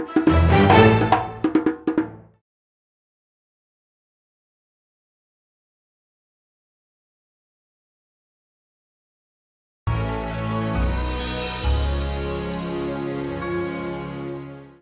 oh jadi kalian ngupin